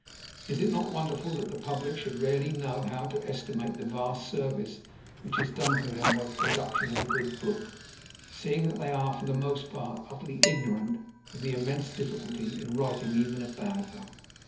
It is not wonderful that the public should rarely know how to estimate the vast service which is done to them by the production of a good book, seeing that they are, for the most part, utterly ignorant of the immense difficulty of writing even a bad one.